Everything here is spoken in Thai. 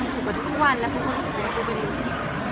คุณมีคุณสุขกว่าทุกวันแล้วคุณสุขก็ยังดูไปดู